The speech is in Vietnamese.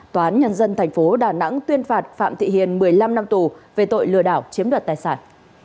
tòa án nhân dân tp đà nẵng tuyên phạt phạm thị hiền một mươi năm năm tù về tội lừa đảo chiếm đoạt tài sản